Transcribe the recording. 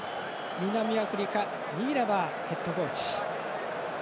南アフリカニーナバーヘッドコーチ。